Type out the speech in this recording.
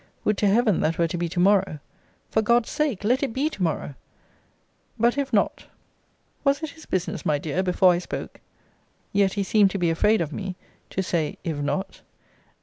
Would to Heaven that were to be to morrow! For God's sake, let it be to morrow! But, if not, [was it his business, my dear, before I spoke (yet he seemed to be afraid of me) to say, if not?